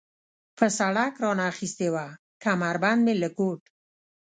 پر سړک را نه اخیستې وه، کمربند مې له کوټ.